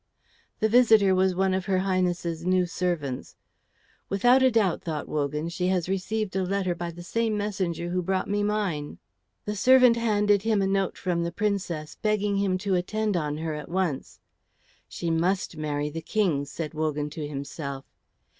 The visitor was one of her Highness's new servants. "Without a doubt," thought Wogan, "she has received a letter by the same messenger who brought me mine." The servant handed him a note from the Princess, begging him to attend on her at once. "She must marry the King," said Wogan to himself.